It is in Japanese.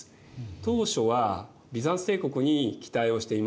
当初はビザンツ帝国に期待をしていました。